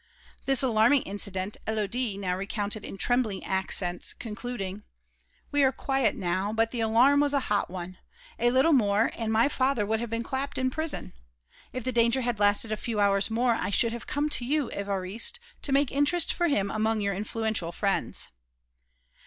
This alarming incident Élodie now recounted in trembling accents, concluding: "We are quiet now, but the alarm was a hot one. A little more and my father would have been clapped in prison. If the danger had lasted a few hours more, I should have come to you, Évariste, to make interest for him among your influential friends."